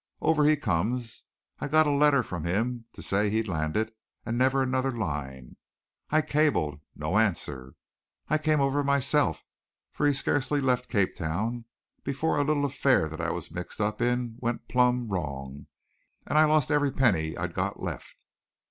Over he comes. I got a letter from him to say he'd landed, and never another line. I cabled no answer. Over I came myself, for he'd scarcely left Cape Town before a little affair that I was mixed up in went plumb wrong, and I lost every penny I'd got left.